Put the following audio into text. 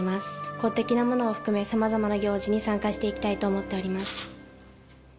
公的なものを含め、さまざまな行事に参加していきたいと思っております。